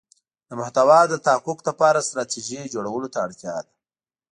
د محتوا د تحقق لپاره ستراتیژی جوړولو ته اړتیا ده.